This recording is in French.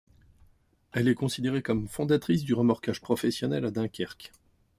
Elle est considérée comme fondatrice du remorquage professionnel à Dunkerque.